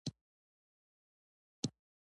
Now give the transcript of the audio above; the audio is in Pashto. ته د یو خر پر ځای ډېر زامن لرې.